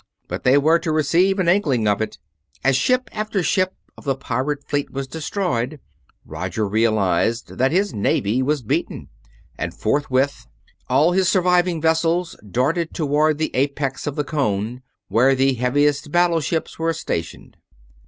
But they were to receive an inkling of it. As ship after ship of the pirate fleet was destroyed, Roger realized that his navy was beaten, and forthwith all his surviving vessels darted toward the apex of the cone, where the heaviest battleships were stationed.